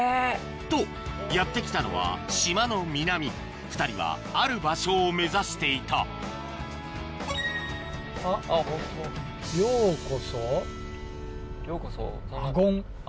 とやって来たのは島の南２人はある場所を目指していたあっ「ようこそ阿権」。